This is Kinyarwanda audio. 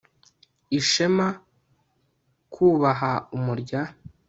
ishema kubaha umurya